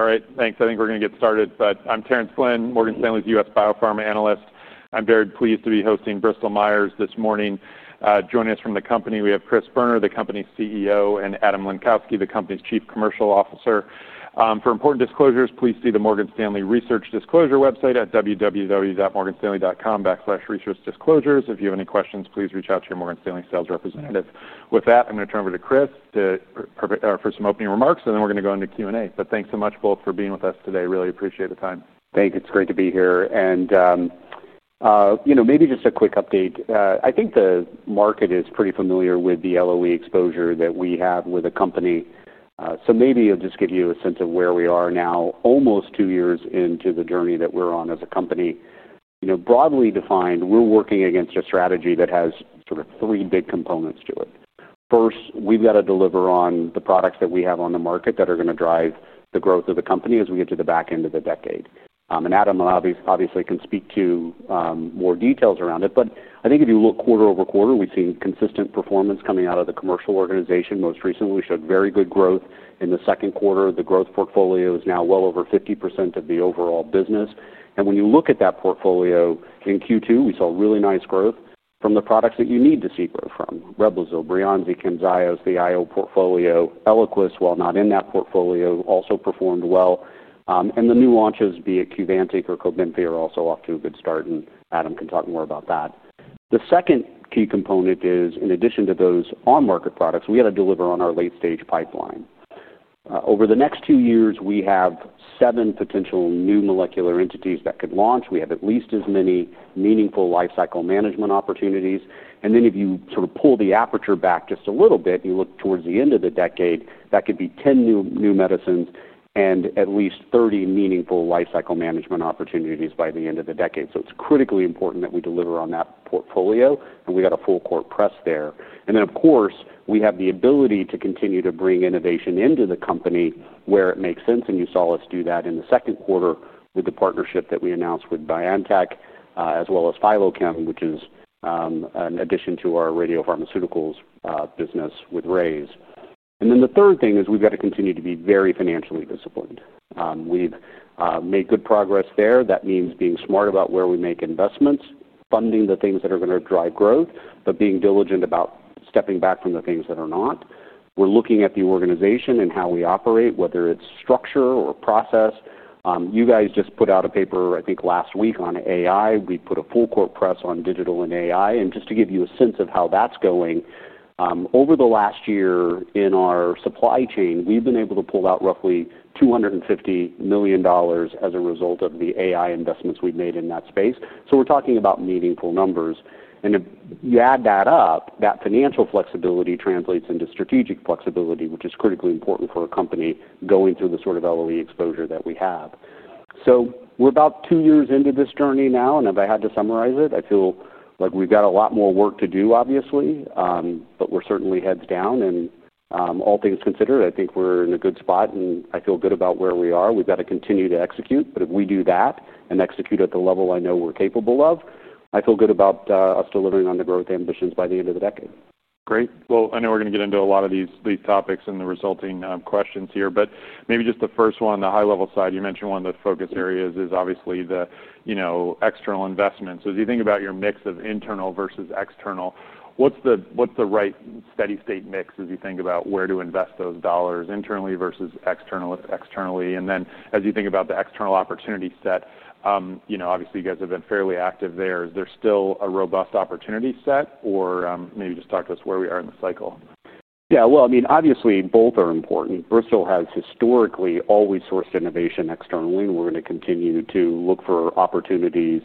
All right, thanks. I think we're going to get started. I'm Terrence Flynn, Morgan Stanley's U.S. biopharma analyst. I'm very pleased to be hosting Bristol Myers Squibb this morning. Joining us from the company, we have Chris Boerner, the company's CEO, and Adam Lenkowsky, the company's Chief Commercial Officer. For important disclosures, please see the Morgan Stanley Research Disclosure website at www.morganstanley.com/researchdisclosures. If you have any questions, please reach out to your Morgan Stanley sales representative. With that, I'm going to turn over to Chris for some opening remarks, and then we're going to go into Q&A. Thanks so much, both, for being with us today. Really appreciate the time. Thanks. It's great to be here. Maybe just a quick update. I think the market is pretty familiar with the LOE exposure that we have with the company. Maybe I'll just give you a sense of where we are now, almost two years into the journey that we're on as a company. Broadly defined, we're working against a strategy that has sort of three big components to it. First, we've got to deliver on the products that we have on the market that are going to drive the growth of the company as we get to the back end of the decade. Adam, obviously, can speak to more details around it. I think if you look quarter over quarter, we've seen consistent performance coming out of the commercial organization. Most recently, we showed very good growth in the second quarter. The growth portfolio is now well over 50% of the overall business. When you look at that portfolio in Q2, we saw really nice growth from the products that you need to see growth from: Reblozyl, Breyanzi, Camzyos, the immuno-oncology portfolio, Eliquis, while not in that portfolio, also performed well. The new launches, be it Reblozyl or Cobenfy, are also off to a good start. Adam can talk more about that. The second key component is, in addition to those on-market products, we had to deliver on our late-stage pipeline. Over the next two years, we have seven potential new molecular entities that could launch. We have at least as many meaningful lifecycle management opportunities. If you sort of pull the aperture back just a little bit and you look towards the end of the decade, that could be 10 new medicines and at least 30 meaningful lifecycle management opportunities by the end of the decade. It's critically important that we deliver on that portfolio. We got a full-court press there. Of course, we have the ability to continue to bring innovation into the company where it makes sense. You saw us do that in the second quarter with the partnership that we announced with BioNTech, as well as Phylochem, which is an addition to our radiopharmaceuticals business with RAISE. The third thing is we've got to continue to be very financially disciplined. We've made good progress there. That means being smart about where we make investments, funding the things that are going to drive growth, but being diligent about stepping back from the things that are not. We're looking at the organization and how we operate, whether it's structure or process. You guys just put out a paper, I think, last week on AI. We put a full-court press on digital and AI. Just to give you a sense of how that's going, over the last year in our supply chain, we've been able to pull out roughly $250 million as a result of the AI investments we've made in that space. We're talking about meaningful numbers. You add that up, that financial flexibility translates into strategic flexibility, which is critically important for a company going through the sort of LOE exposure that we have. We're about two years into this journey now. If I had to summarize it, I feel like we've got a lot more work to do, obviously. We're certainly heads down. All things considered, I think we're in a good spot. I feel good about where we are. We've got to continue to execute. If we do that and execute at the level I know we're capable of, I feel good about us delivering on the growth ambitions by the end of the decade. Great. I know we're going to get into a lot of these topics and the resulting questions here. Maybe just the first one, the high-level side. You mentioned one of the focus areas is obviously the external investments. As you think about your mix of internal versus external, what's the right steady-state mix as you think about where to invest those dollars internally versus externally? As you think about the external opportunity set, you know, obviously, you guys have been fairly active there. Is there still a robust opportunity set? Maybe just talk to us where we are in the cycle. Yeah. Obviously, both are important. Bristol Myers Squibb has historically always sourced innovation externally. We're going to continue to look for opportunities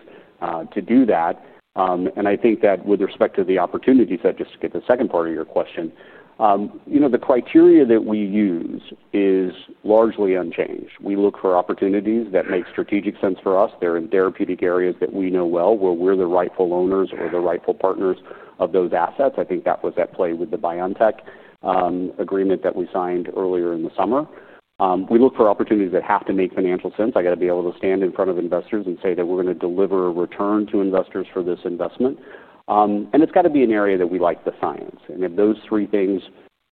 to do that. I think that with respect to the opportunity set, just to get to the second part of your question, the criteria that we use is largely unchanged. We look for opportunities that make strategic sense for us. They're in therapeutic areas that we know well, where we're the rightful owners or the rightful partners of those assets. I think that was at play with the BioNTech agreement that we signed earlier in the summer. We look for opportunities that have to make financial sense. I got to be able to stand in front of investors and say that we're going to deliver a return to investors for this investment. It's got to be an area that we like the science. If those three things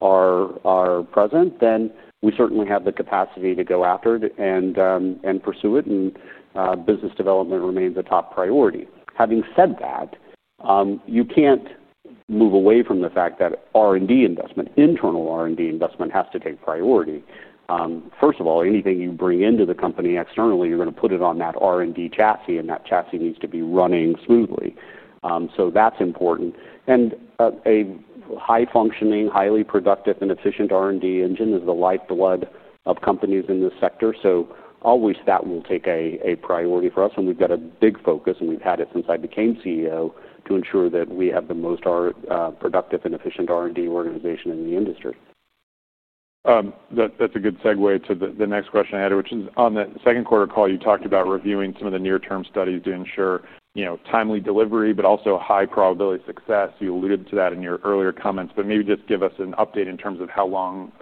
are present, then we certainly have the capacity to go after it and pursue it. Business development remains a top priority. Having said that, you can't move away from the fact that R&D investment, internal R&D investment, has to take priority. First of all, anything you bring into the company externally, you're going to put it on that R&D chassis. That chassis needs to be running smoothly. That's important. A high-functioning, highly productive, and efficient R&D engine is the lifeblood of companies in this sector. Always, that will take a priority for us. We've got a big focus, and we've had it since I became CEO, to ensure that we have the most productive and efficient R&D organization in the industry. That's a good segue to the next question I had, which is on the second quarter call, you talked about reviewing some of the near-term studies to ensure timely delivery, but also high probability of success. You alluded to that in your earlier comments. Maybe just give us an update in terms of how long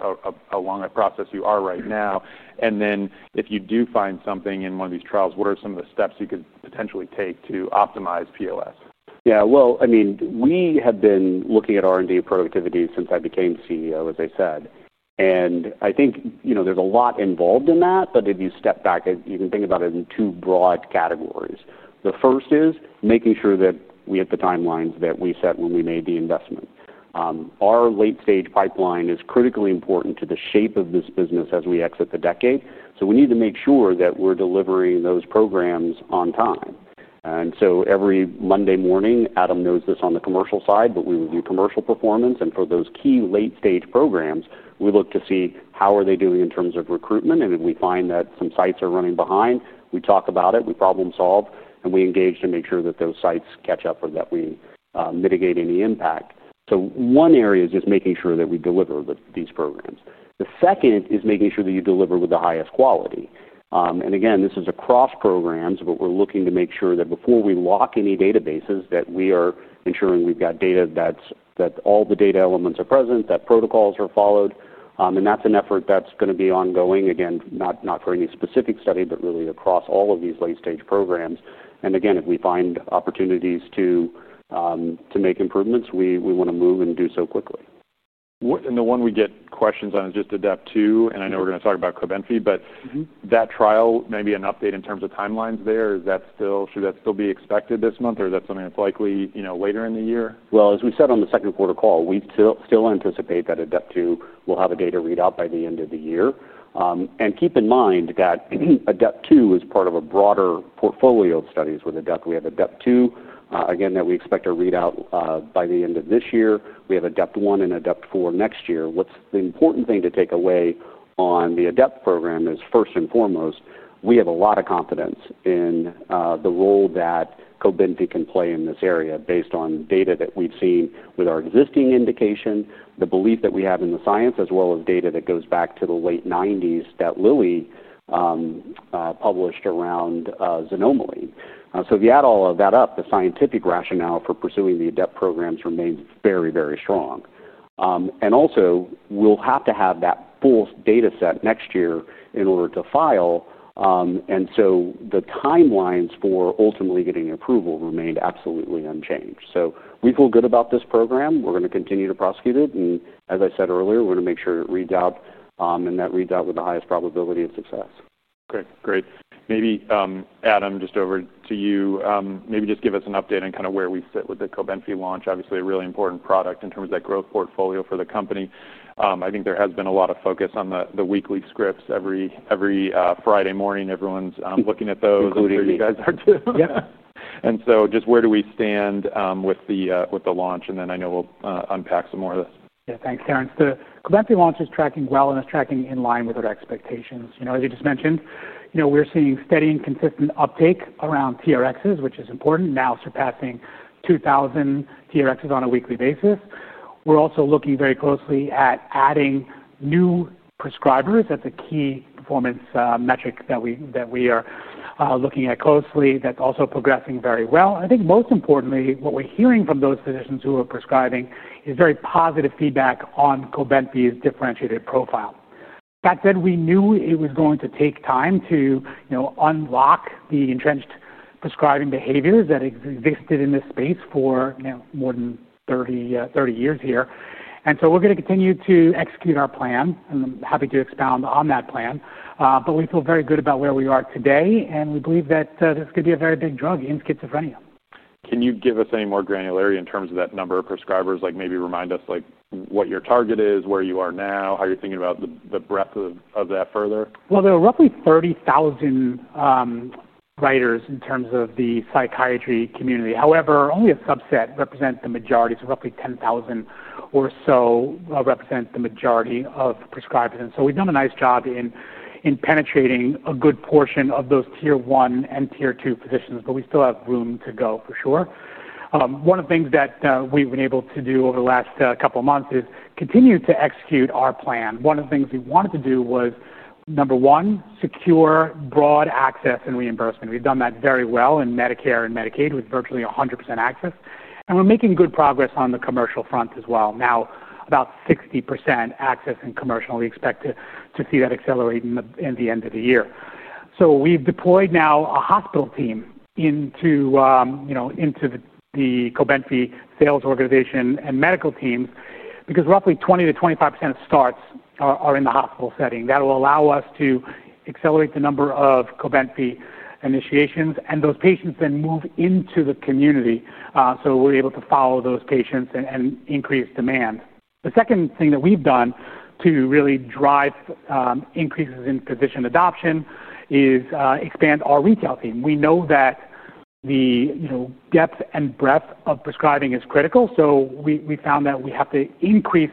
a long process you are right now. If you do find something in one of these trials, what are some of the steps you could potentially take to optimize PLS? I mean, we have been looking at R&D productivity since I became CEO, as I said. I think there's a lot involved in that. If you step back, you can think about it in two broad categories. The first is making sure that we hit the timelines that we set when we made the investment. Our late-stage pipeline is critically important to the shape of this business as we exit the decade. We need to make sure that we're delivering those programs on time. Every Monday morning, Adam knows this on the commercial side, but we review commercial performance. For those key late-stage programs, we look to see how are they doing in terms of recruitment. If we find that some sites are running behind, we talk about it. We problem solve, and we engage to make sure that those sites catch up or that we mitigate any impact. One area is just making sure that we deliver these programs. The second is making sure that you deliver with the highest quality. Again, this is across programs. We're looking to make sure that before we lock any databases, we are ensuring we've got data, that all the data elements are present, that protocols are followed. That's an effort that's going to be ongoing, again, not for any specific study, but really across all of these late-stage programs. If we find opportunities to make improvements, we want to move and do so quickly. The one we get questions on is just the ADEP-2. I know we're going to talk about Cobenfy, but that trial, maybe an update in terms of timelines there, is that still, should that still be expected this month? Is that something that's likely, you know, later in the year? As we said on the second quarter call, we still anticipate that ADEP-2 will have a data readout by the end of the year. Keep in mind that ADEP-2 is part of a broader portfolio of studies with ADEP. We have ADEP-2, again, that we expect to read out by the end of this year. We have ADEP-2 and ADEP-4 next year. The important thing to take away on the ADEP program is, first and foremost, we have a lot of confidence in the role that Cobenfy can play in this area based on data that we've seen with our existing indication, the belief that we have in the science, as well as data that goes back to the late 1990s that Lilly published around Zanomaly. If you add all of that up, the scientific rationale for pursuing the ADEP programs remains very, very strong. Also, we'll have to have that full data set next year in order to file. The timelines for ultimately getting approval remain absolutely unchanged. We feel good about this program. We're going to continue to prosecute it. As I said earlier, we're going to make sure it reads out and that reads out with the highest probability of success. OK, great. Maybe, Adam, just over to you, maybe just give us an update on kind of where we sit with the Cobenfy launch. Obviously, a really important product in terms of that growth portfolio for the company. I think there has been a lot of focus on the weekly scripts. Every Friday morning, everyone's looking at those. I'm sure you guys are too. Where do we stand with the launch? I know we'll unpack some more of this. Yeah, thanks, Terrence. The Cobenfy launch is tracking well and is tracking in line with our expectations. As you just mentioned, we're seeing steady and consistent uptake around TRXs, which is important, now surpassing 2,000 TRXs on a weekly basis. We're also looking very closely at adding new prescribers. That's a key performance metric that we are looking at closely. That's also progressing very well. I think most importantly, what we're hearing from those physicians who are prescribing is very positive feedback on Cobenfy's differentiated profile. That said, we knew it was going to take time to unlock the entrenched prescribing behaviors that existed in this space for more than 30 years here. We are going to continue to execute our plan. I'm happy to expound on that plan. We feel very good about where we are today, and we believe that this could be a very big drug in schizophrenia. Can you give us any more granularity in terms of that number of prescribers? Maybe remind us what your target is, where you are now, how you're thinking about the breadth of that further? There are roughly 30,000 writers in terms of the psychiatry community. However, only a subset represent the majority. Roughly 10,000 or so represent the majority of prescribers. We've done a nice job in penetrating a good portion of those Tier 1 and Tier 2 physicians, but we still have room to go for sure. One of the things that we've been able to do over the last couple of months is continue to execute our plan. One of the things we wanted to do was, number one, secure broad access and reimbursement. We've done that very well in Medicare and Medicaid with virtually 100% access, and we're making good progress on the commercial front as well. Now, about 60% access in commercial, and we expect to see that accelerate in the end of the year. We've deployed now a hospital team into the Cobenfy sales organization and medical team because roughly 20% to 25% of starts are in the hospital setting. That will allow us to accelerate the number of Cobenfy initiations, and those patients then move into the community. We're able to follow those patients and increase demand. The second thing that we've done to really drive increases in physician adoption is expand our retail team. We know that the depth and breadth of prescribing is critical. We found that we have to increase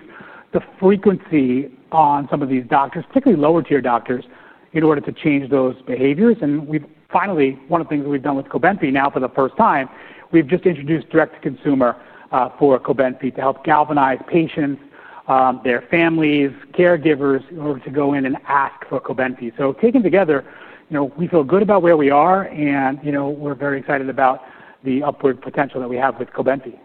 the frequency on some of these doctors, particularly lower-tier doctors, in order to change those behaviors. Finally, one of the things we've done with Cobenfy now for the first time, we've just introduced direct-to-consumer for Cobenfy to help galvanize patients, their families, caregivers, in order to go in and ask for Cobenfy. Taken together, we feel good about where we are, and we're very excited about the upward potential that we have with Cobenfy.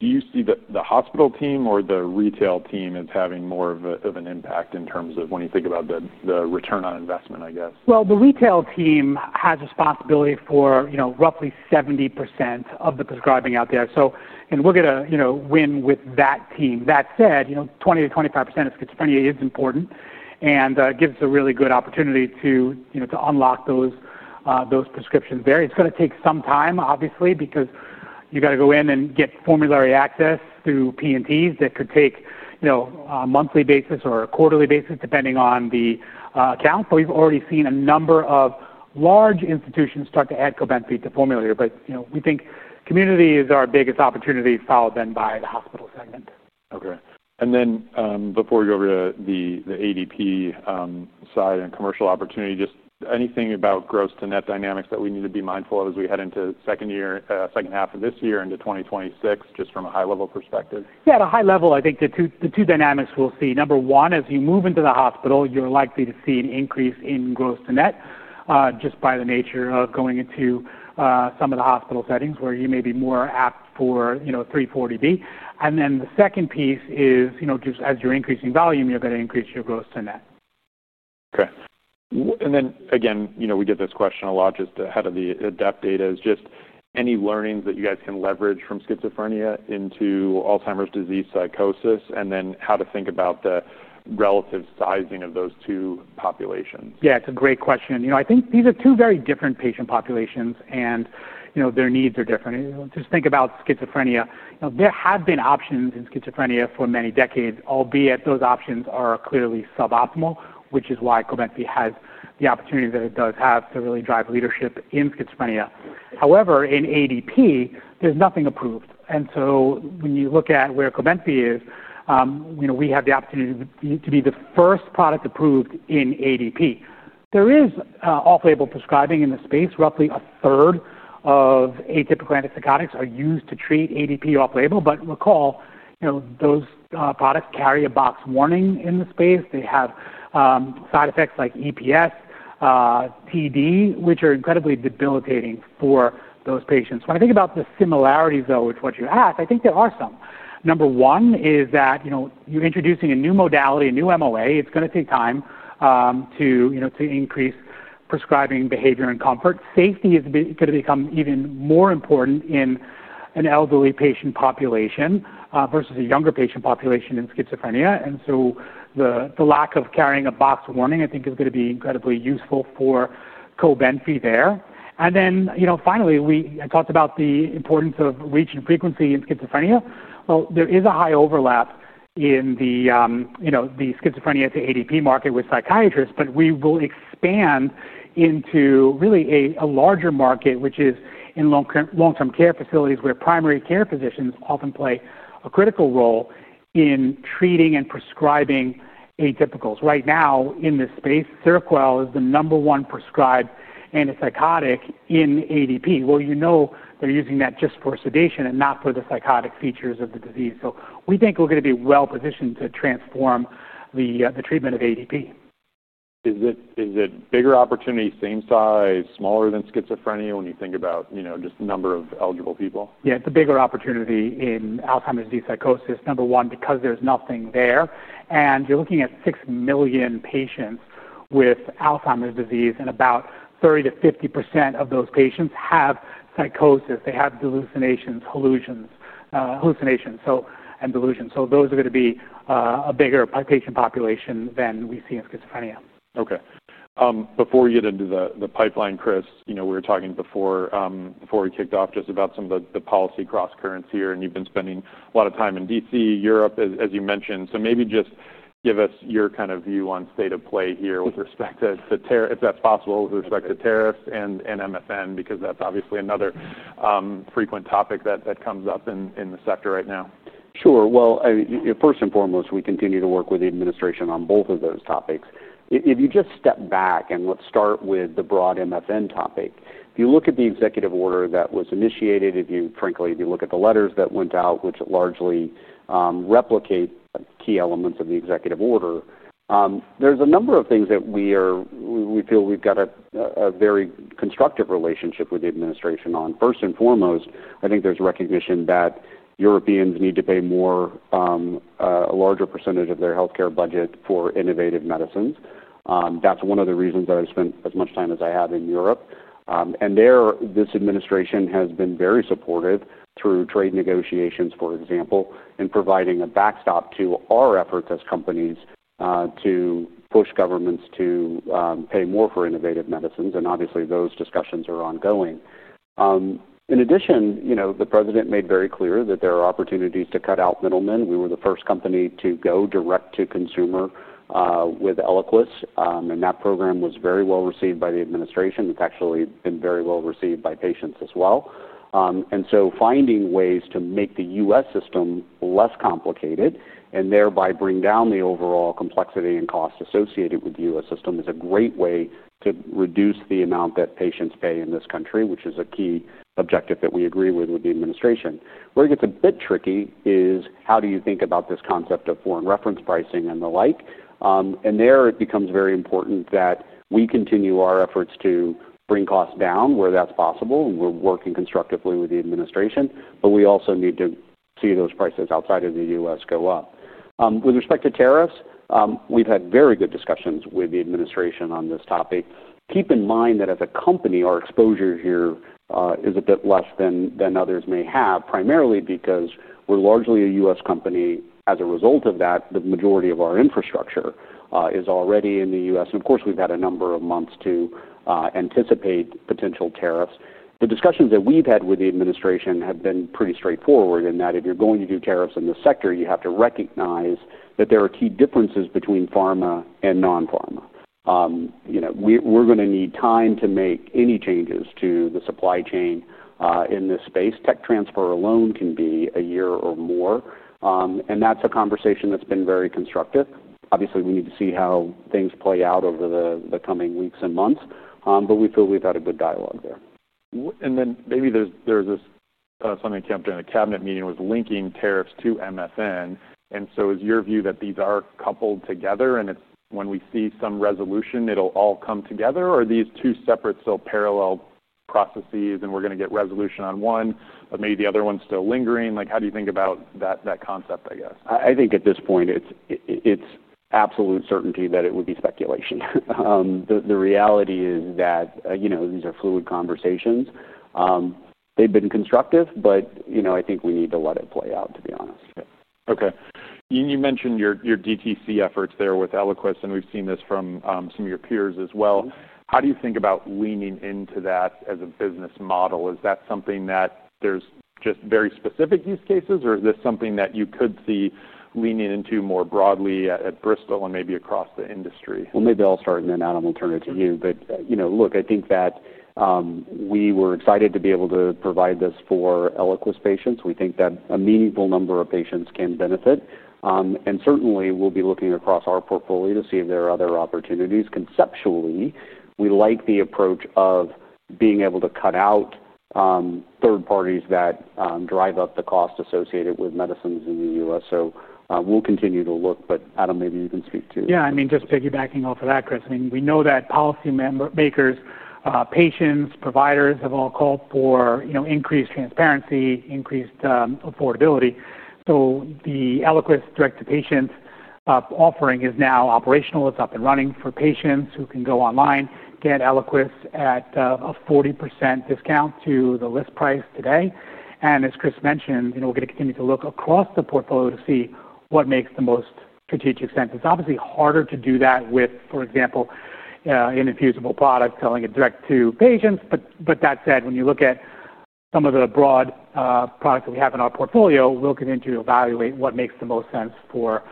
Do you see that the hospital team or the retail team is having more of an impact in terms of when you think about the return on investment? The retail team has responsibility for, you know, roughly 70% of the prescribing out there, and we'll get a, you know, win with that team. That said, you know, 20%- 25% of schizophrenia is important, and it gives us a really good opportunity to, you know, unlock those prescriptions there. It's going to take some time, obviously, because you've got to go in and get formulary access through P&Ts that could take, you know, a monthly basis or a quarterly basis, depending on the account. We've already seen a number of large institutions start to add Cobenfy to formulary. We think community is our biggest opportunity, followed then by the hospital segment. OK. Before we go over to the ADP side and commercial opportunity, just anything about gross-to-net dynamics that we need to be mindful of as we head into the second year, second half of this year into 2026, just from a high-level perspective? Yeah, at a high level, I think the two dynamics we'll see. Number one, as you move into the hospital, you're likely to see an increase in gross-to-net, just by the nature of going into some of the hospital settings where you may be more apt for, you know, 340B. The second piece is, you know, just as you're increasing volume, you're going to increase your gross-to-net. OK. You know, we get this question a lot just ahead of the ADEP data. Is there any learnings that you guys can leverage from schizophrenia into Alzheimer's disease psychosis, and then how to think about the relative sizing of those two populations? Yeah, it's a great question. I think these are two very different patient populations, and their needs are different. Just think about schizophrenia. There have been options in schizophrenia for many decades, albeit those options are clearly suboptimal, which is why Cobenfy has the opportunity that it does have to really drive leadership in schizophrenia. However, in ADP, there's nothing approved. When you look at where Cobenfy is, we have the opportunity to be the first product approved in ADP. There is off-label prescribing in the space. Roughly a third of atypical antipsychotics are used to treat ADP off-label. Recall those products carry a box warning in the space. They have side effects like EPS, TD, which are incredibly debilitating for those patients. When I think about the similarities with what you asked, I think there are some. Number one is that you're introducing a new modality, a new MOA. It's going to take time to increase prescribing behavior and comfort. Safety is going to become even more important in an elderly patient population versus a younger patient population in schizophrenia. The lack of carrying a box warning, I think, is going to be incredibly useful for Cobenfy there. Finally, I talked about the importance of reach and frequency in schizophrenia. There is a high overlap in the schizophrenia to ADP market with psychiatrists. We will expand into really a larger market, which is in long-term care facilities, where primary care physicians often play a critical role in treating and prescribing atypicals. Right now, in this space, Seroquel is the number one prescribed antipsychotic in ADP. They're using that just for sedation and not for the psychotic features of the disease. We think we're going to be well positioned to transform the treatment of ADP. Is it a bigger opportunity, same size, or smaller than schizophrenia when you think about, you know, just the number of eligible people? Yeah, it's a bigger opportunity in Alzheimer's disease psychosis, number one, because there's nothing there. You're looking at six million patients with Alzheimer's disease, and about 30%- 50% of those patients have psychosis. They have hallucinations and delusions. Those are going to be a bigger patient population than we see in schizophrenia. OK. Before you get into the pipeline, Chris, we were talking before we kicked off just about some of the policy cross-currency here. You've been spending a lot of time in D.C., Europe, as you mentioned. Maybe just give us your kind of view on state of play here with respect to, if that's possible, with respect to tariffs and MFN, because that's obviously another frequent topic that comes up in the sector right now. Sure. First and foremost, we continue to work with the administration on both of those topics. If you just step back and let's start with the broad MFN topic, if you look at the executive order that was initiated, if you, frankly, if you look at the letters that went out, which largely replicate key elements of the executive order, there's a number of things that we feel we've got a very constructive relationship with the administration on. First and foremost, I think there's recognition that Europeans need to pay a larger percent o f their health care budget for innovative medicines. That's one of the reasons that I spent as much time as I have in Europe. There, this administration has been very supportive through trade negotiations, for example, in providing a backstop to our efforts as companies to push governments to pay more for innovative medicines. Obviously, those discussions are ongoing. In addition, the president made very clear that there are opportunities to cut out middlemen. We were the first company to go direct to consumer with Eliquis. That program was very well received by the administration. It's actually been very well received by patients as well. Finding ways to make the U.S. system less complicated and thereby bring down the overall complexity and cost associated with the U.S. system is a great way to reduce the amount that patients pay in this country, which is a key objective that we agree with with the administration. Where it gets a bit tricky is how do you think about this concept of foreign reference pricing and the like. There, it becomes very important that we continue our efforts to bring costs down where that's possible. We're working constructively with the administration. We also need to see those prices outside of the U.S. go up. With respect to tariffs, we've had very good discussions with the administration on this topic. Keep in mind that as a company, our exposure here is a bit less than others may have, primarily because we're largely a U.S. company. As a result of that, the majority of our infrastructure is already in the U.S. Of course, we've had a number of months to anticipate potential tariffs. The discussions that we've had with the administration have been pretty straightforward in that if you're going to do tariffs in this sector, you have to recognize that there are key differences between pharma and non-pharma. We're going to need time to make any changes to the supply chain in this space. Tech transfer alone can be a year or more. That's a conversation that's been very constructive. Obviously, we need to see how things play out over the coming weeks and months. We feel we've had a good dialogue there. Maybe there's something that jumped in the cabinet meeting, linking tariffs to MFN. Is your view that these are coupled together? When we see some resolution, will it all come together, or are these two separate, still parallel processes and we're going to get resolution on one, but maybe the other one's still lingering? How do you think about that concept? I think at this point, it's absolute certainty that it would be speculation. The reality is that these are fluid conversations. They've been constructive. I think we need to let it play out, to be honest. OK. You mentioned your DTC efforts there with Eliquis. We've seen this from some of your peers as well. How do you think about leaning into that as a business model? Is that something that there's just very specific use cases? Is this something that you could see leaning into more broadly at Bristol and maybe across the industry? I think that we were excited to be able to provide this for Eliquis patients. We think that a meaningful number of patients can benefit. Certainly, we'll be looking across our portfolio to see if there are other opportunities. Conceptually, we like the approach of being able to cut out third parties that drive up the cost associated with medicines in the U.S. We'll continue to look. Adam, maybe you can speak too. Yeah, I mean, just piggybacking off of that, Chris, I mean, we know that policymakers, patients, providers have all called for, you know, increased transparency, increased affordability. The Eliquis direct-to-patient offering is now operational. It's up and running for patients who can go online, get Eliquis at a 40% discount to the list price today. As Chris mentioned, you know, we're going to continue to look across the portfolio to see what makes the most strategic sense. It's obviously harder to do that with, for example, an infusible product selling it direct to patients. That said, when you look at some of the broad products that we have in our portfolio, we'll continue to evaluate what makes the most sense for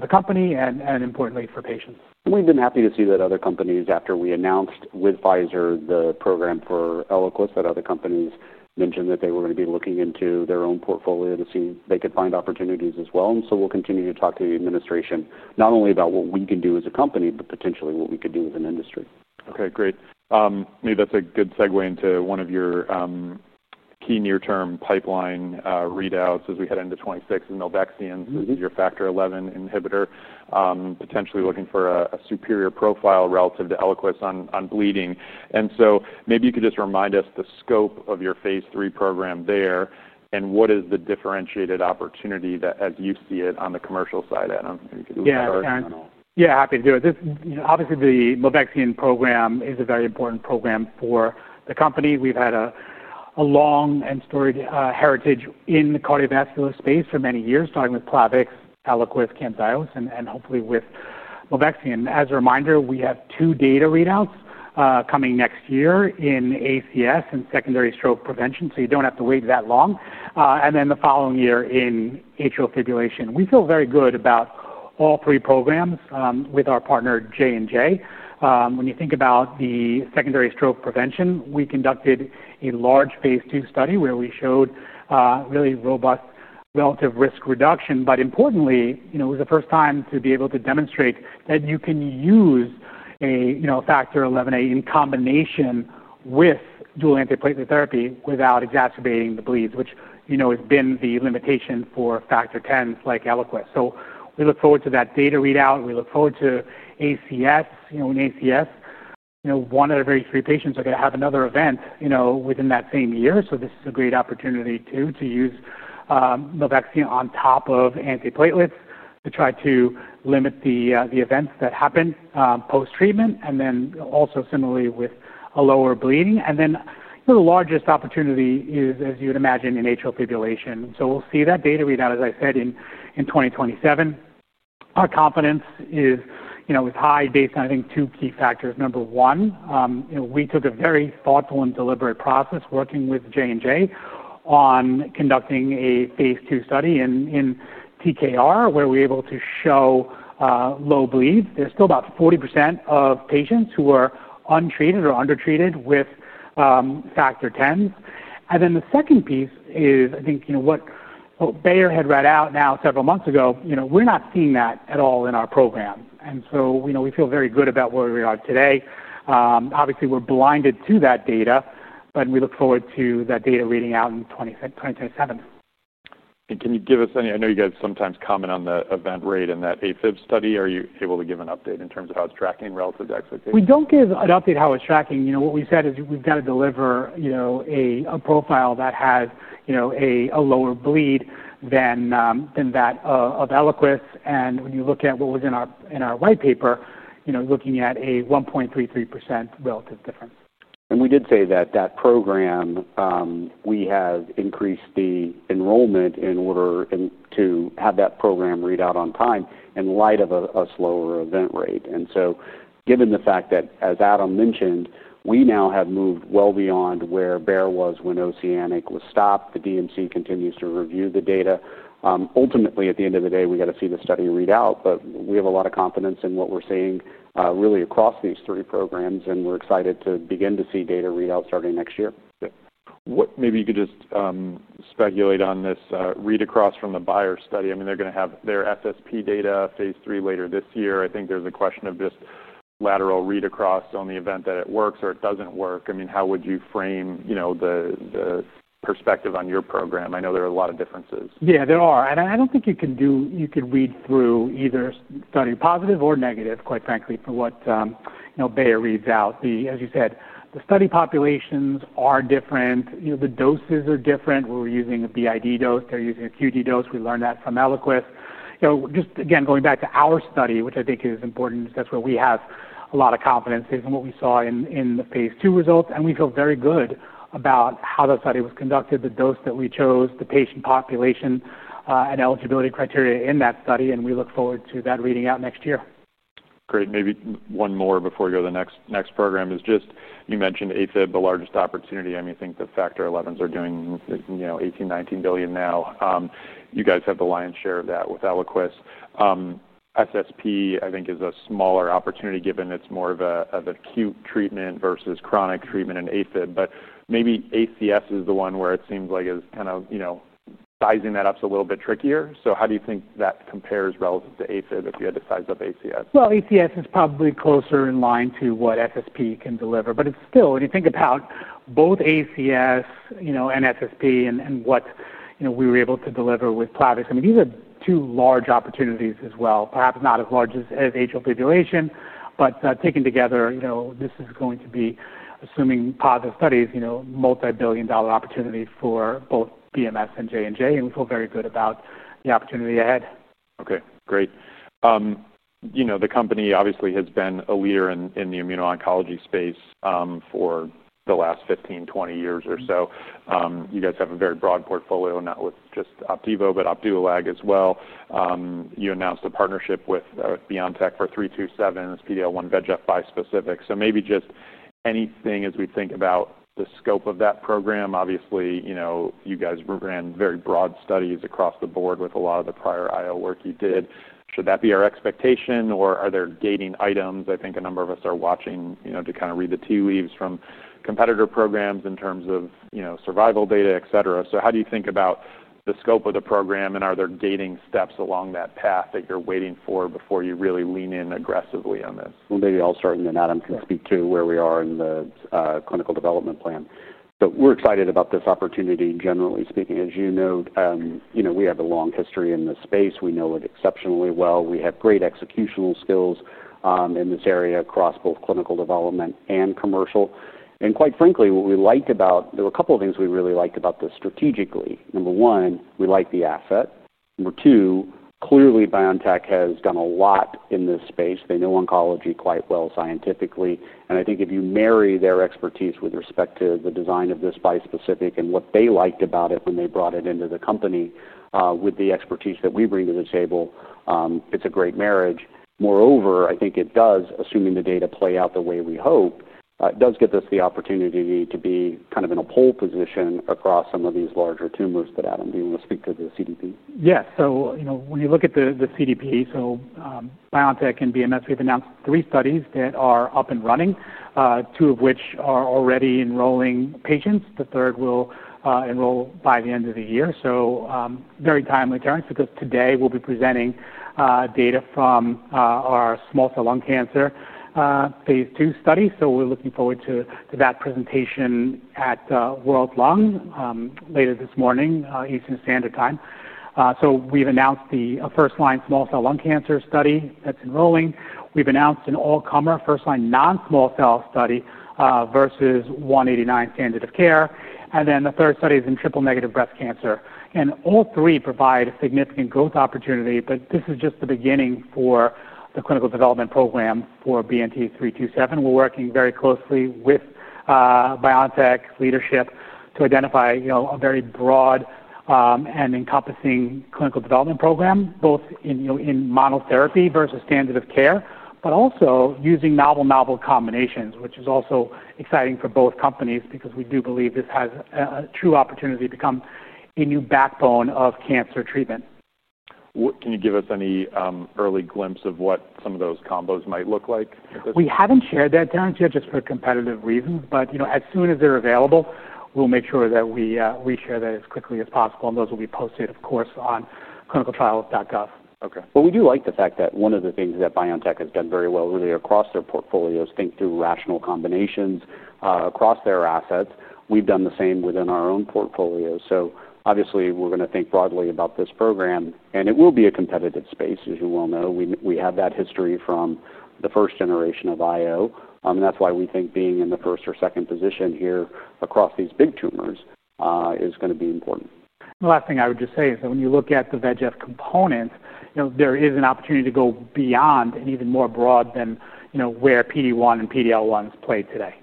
the company and importantly for patients. We've been happy to see that other companies, after we announced with Pfizer the program for Eliquis, mentioned that they were going to be looking into their own portfolio to see if they could find opportunities as well. We'll continue to talk to the administration not only about what we can do as a company, but potentially what we could do as an industry. OK, great. Maybe that's a good segue into one of your key near-term pipeline readouts as we head into 2026. Milvexian, this is your factor XIa inhibitor, potentially looking for a superior profile relative to Eliquis on bleeding. Maybe you could just remind us the scope of your phase III program there. What is the differentiated opportunity that, as you see it on the commercial side, Adam? Yeah, Terrence? Yeah, I'm happy to do it. Obviously, the Milvexian program is a very important program for the company. We've had a long and storied heritage in the cardiovascular space for many years, starting with Plavix, Eliquis, and hopefully with Milvexian. As a reminder, we have two data readouts coming next year in acute coronary syndrome and secondary stroke prevention. You don't have to wait that long, and then the following year in atrial fibrillation. We feel very good about all three programs with our partner, J& J. When you think about the secondary stroke prevention, we conducted a large phase II study where we showed really robust relative risk reduction. Importantly, it was the first time to be able to demonstrate that you can use a factor XIa inhibitor in combination with dual antiplatelet therapy without exacerbating the bleeds, which has been the limitation for factor Xa inhibitors like Eliquis. We look forward to that data readout. We look forward to acute coronary syndrome. In acute coronary syndrome, one out of every three patients are going to have another event within that same year. This is a great opportunity to use Milvexian on top of antiplatelets to try to limit the events that happen post-treatment and also similarly with a lower bleeding. The largest opportunity is, as you would imagine, in atrial fibrillation. We'll see that data readout, as I said, in 2027. Our confidence is high based on, I think, two key factors. Number one, we took a very thoughtful and deliberate process working with Johnson & Johnson on conducting a phase II study in total knee replacement, where we were able to show low bleeds. There's still about 40% of patients who are untreated or undertreated with factor Xa inhibitors. The second piece is, I think, what Bayer had read out now several months ago, we're not seeing that at all in our program. We feel very good about where we are today. Obviously, we're blinded to that data. We look forward to that data reading out in 2027. Can you give us any, I know you guys sometimes comment on the event rate in that AFib study. Are you able to give an update in terms of how it's tracking relative to expectations? We don't give an update on how it's tracking. What we said is we've got to deliver a profile that has a lower bleed than that of Eliquis. When you look at what was in our white paper, looking at a 1.33% relative difference. We did say that that program, we have increased the enrollment in order to have that program read out on time in light of a slower event rate. Given the fact that, as Adam Lenkowsky mentioned, we now have moved well beyond where Bayer was when Oceanic was stopped, the DMC continues to review the data. Ultimately, at the end of the day, we got to see the study readout. We have a lot of confidence in what we're seeing really across these three programs, and we're excited to begin to see data readout starting next year. Maybe you could just speculate on this read across from the Bayer study. I mean, they're going to have their FSP data Phase III later this year. I think there's a question of just lateral read across on the event that it works or it doesn't work. I mean, how would you frame the perspective on your program? I know there are a lot of differences. Yeah, there are. I don't think you can do, you could read through either study positive or negative, quite frankly, for what, you know, Bayer reads out. As you said, the study populations are different. The doses are different. We're using the BID dose. They're using a QD dose. We learned that from Eliquis. Just again, going back to our study, which I think is important, that's where we have a lot of confidence based on what we saw in the phase II results. We feel very good about how the study was conducted, the dose that we chose, the patient population, and eligibility criteria in that study. We look forward to that reading out next year. Great. Maybe one more before we go to the next program is just you mentioned AFib, the largest opportunity. I think the factor XIa inhibitors are doing $18 billion, $19 billion now. You guys have the lion's share of that with Eliquis. FSP, I think, is a smaller opportunity given it's more of an acute treatment versus chronic treatment in AFib. Maybe ACS is the one where it seems like sizing that up is a little bit trickier. How do you think that compares relative to AFib if you had to size up ACS? ACS is probably closer in line to what FSP can deliver. It's still, when you think about both ACS and FSP and what we were able to deliver with Plavix, these are two large opportunities as well. Perhaps not as large as atrial fibrillation, but taken together, this is going to be, assuming positive studies, a multi-billion dollar opportunity for both BMS and J&J. We feel very good about the opportunity ahead. OK, great. The company obviously has been a leader in the immuno-oncology space for the last 15, 20 years or so. You guys have a very broad portfolio, not with just Opdivo, but OpdivoLAB as well. You announced a partnership with BioNTech for BNT327. It's a PD-L1/VEGF bispecific. Maybe just anything as we think about the scope of that program. Obviously, you guys ran very broad studies across the board with a lot of the prior IO work you did. Should that be our expectation? Are there gating items? I think a number of us are watching to kind of read the tea leaves from competitor programs in terms of survival data, etc. How do you think about the scope of the program? Are there gating steps along that path that you're waiting for before you really lean in aggressively on this? Maybe I'll start. Then Adam can speak to where we are in the clinical development plan. We're excited about this opportunity, generally speaking. As you know, we have a long history in this space. We know it exceptionally well. We have great executional skills in this area across both clinical development and commercial. Quite frankly, what we liked about it, there were a couple of things we really liked about this strategically. Number one, we like the asset. Number two, clearly, BioNTech has done a lot in this space. They know oncology quite well scientifically. I think if you marry their expertise with respect to the design of this bispecific and what they liked about it when they brought it into the company with the expertise that we bring to the table, it's a great marriage. Moreover, I think it does, assuming the data play out the way we hope, give us the opportunity to be kind of in a pole position across some of these larger tumors. Adam, do you want to speak to the CDP? Yeah. When you look at the CDP, BioNTech and BMS, we've announced three studies that are up and running, two of which are already enrolling patients. The third will enroll by the end of the year. Very timely, Terrence, because today we'll be presenting data from our small cell lung cancer phase II study. We're looking forward to that presentation at World Lung later this morning, Eastern Standard Time. We've announced the first-line small cell lung cancer study that's enrolling. We've announced an all-comer first-line non-small cell study versus 189 standard of care. The third study is in triple negative breast cancer. All three provide a significant growth opportunity. This is just the beginning for the clinical development program for BNT327. We're working very closely with BioNTech leadership to identify a very broad and encompassing clinical development program, both in monotherapy versus standard of care, but also using novel combinations, which is also exciting for both companies because we do believe this has a true opportunity to become a new backbone of cancer treatment. Can you give us any early glimpse of what some of those combos might look like? We haven't shared that, Terrence, yet just for competitive reasons. As soon as they're available, we'll make sure that we share that as quickly as possible. Those will be posted, of course, on clinicaltrials.gov. OK. I do like the fact that one of the things that BioNTech has done very well, really, across their portfolios, is think through rational combinations across their assets. We've done the same within our own portfolio. Obviously, we're going to think broadly about this program. It will be a competitive space, as you well know. We have that history from the first generation of IO, and that's why we think being in the first or second position here across these big tumors is going to be important. The last thing I would just say is that when you look at the VEGF component, there is an opportunity to go beyond and even more broad than where PD-1 and PD-L1s play today.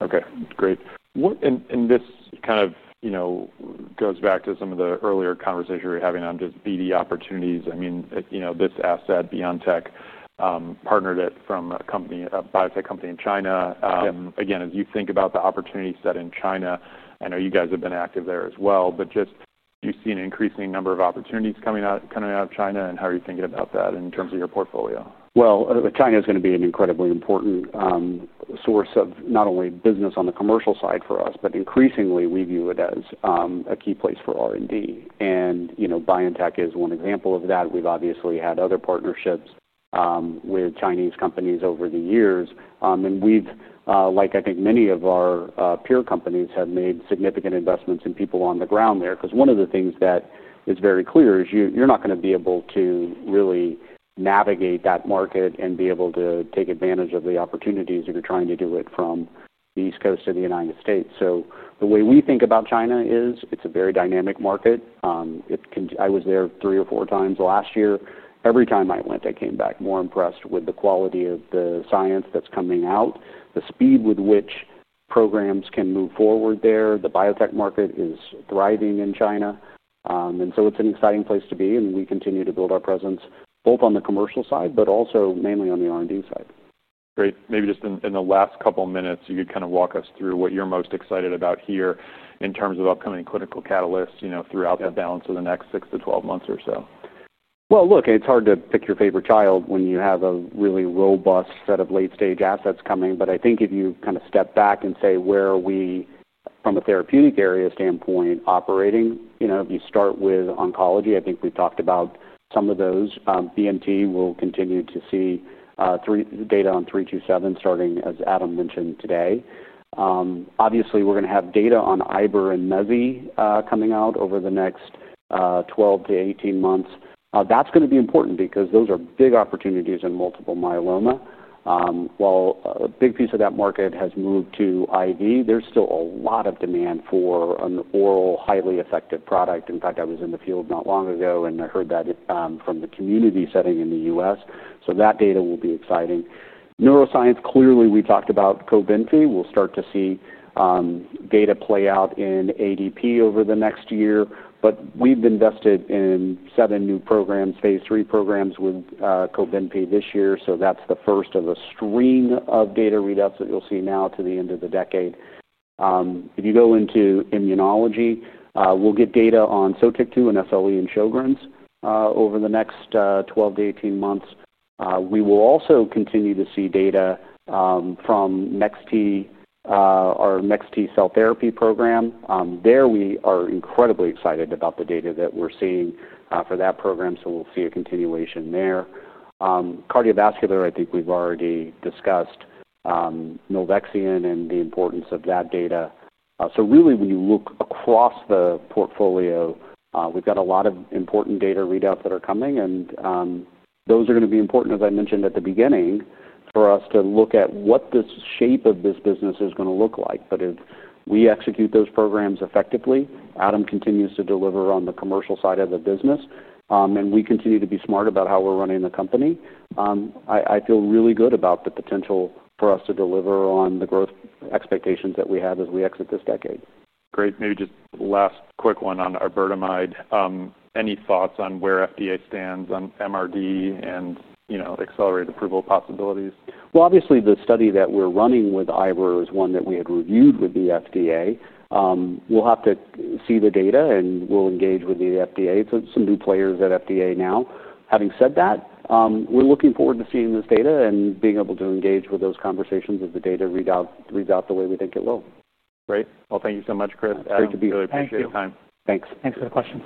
OK, that's great. This kind of goes back to some of the earlier conversations we were having on just BD opportunities. I mean, this asset, BioNTech partnered it from a biotech company in China. Again, as you think about the opportunity set in China, I know you guys have been active there as well. Do you see an increasing number of opportunities coming out of China? How are you thinking about that in terms of your portfolio? China is going to be an incredibly important source of not only business on the commercial side for us, but increasingly, we view it as a key place for R&D. BioNTech is one example of that. We've obviously had other partnerships with Chinese companies over the years. We've, like I think many of our peer companies, made significant investments in people on the ground there. One of the things that is very clear is you're not going to be able to really navigate that market and be able to take advantage of the opportunities if you're trying to do it from the East Coast of the United States. The way we think about China is it's a very dynamic market. I was there three or four times last year. Every time I went, I came back more impressed with the quality of the science that's coming out, the speed with which programs can move forward there. The biotech market is thriving in China. It's an exciting place to be. We continue to build our presence both on the commercial side, but also mainly on the R&D side. Great. Maybe just in the last couple of minutes, you could kind of walk us through what you're most excited about here in terms of upcoming clinical catalysts throughout that balance of the next 6 to 12 months or so. It's hard to pick your favorite child when you have a really robust set of late-stage assets coming. I think if you kind of step back and say, where are we from a therapeutic area standpoint operating? If you start with oncology, I think we've talked about some of those. BNT, we'll continue to see data on 327 starting, as Adam mentioned, today. Obviously, we're going to have data on IBR and MEVI coming out over the next 12- 18 months. That's going to be important because those are big opportunities in multiple myeloma. While a big piece of that market has moved to IV, there's still a lot of demand for an oral highly effective product. In fact, I was in the field not long ago, and I heard that from the community setting in the U.S. That data will be exciting. Neuroscience, clearly, we talked about Cobenfy. We'll start to see data play out in ADP over the next year. We've invested in seven new programs, phase III programs with Cobenfy this year. That's the first of a string of data readouts that you'll see now to the end of the decade. If you go into immunology, we'll get data on SOTIK2 in SLE and Sjogren's over the next 12- 18 months. We will also continue to see data from NXT, our NXT cell therapy program. There, we are incredibly excited about the data that we're seeing for that program. We'll see a continuation there. Cardiovascular, I think we've already discussed Milvexian and the importance of that data. When you look across the portfolio, we've got a lot of important data readouts that are coming. Those are going to be important, as I mentioned at the beginning, for us to look at what the shape of this business is going to look like. If we execute those programs effectively, Adam Lenkowsky continues to deliver on the commercial side of the business, and we continue to be smart about how we're running the company, I feel really good about the potential for us to deliver on the growth expectations that we have as we exit this decade. Great. Maybe just last quick one on ibrutamide. Any thoughts on where FDA stands on MRD and, you know, the accelerated approval possibilities? The study that we're running with IBR is one that we had reviewed with the FDA. We'll have to see the data, and we'll engage with the FDA. There are some new players at the FDA now. Having said that, we're looking forward to seeing this data and being able to engage with those conversations if the data reads out the way we think it will. Great. Thank you so much, Chris. Great to be here. Really appreciate your time. Thanks. Thanks for the questions.